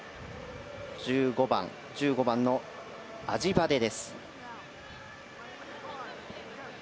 １５番のアジバデです。